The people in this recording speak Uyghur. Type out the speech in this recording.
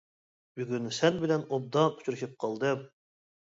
بۈگۈن سەن بىلەن ئوبدان ئۇچرىشىپ قالدىم.